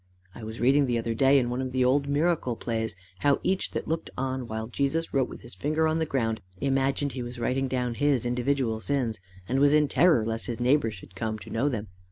I was reading the other day, in one of the old Miracle Plays, how each that looked on while Jesus wrote with his finger on the ground, imagined he was writing down his individual sins, and was in terror lest his neighbour should come to know them.